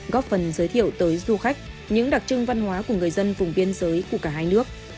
góp phần giới thiệu tới du khách những đặc trưng văn hóa của người dân vùng biên giới của cả hai nước